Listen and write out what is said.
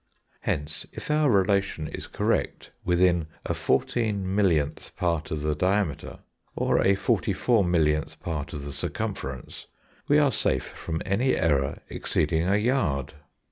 Hence, if our relation is correct within a fourteen millionth part of the diameter, or a forty four millionth part of the circumference, we are safe from any error exceeding a yard.